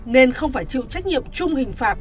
nên không phải chịu trách nhiệm chung hình phạt